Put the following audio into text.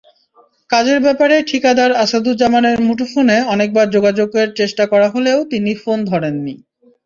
কাজের ব্যাপারে ঠিকাদার আসাদুজ্জামানের মুঠোফোনে অনেকবার যোগাযোগের চেষ্টা করা হলেও তিনি ফোন ধরেননি।